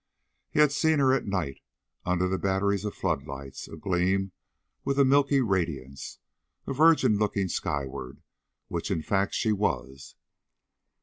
He had seen her at night, under the batteries of floor lights, agleam with a milky radiance; a virgin looking skyward, which, in fact, she was.